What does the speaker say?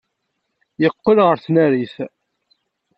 Yeqqel ɣer tnarit.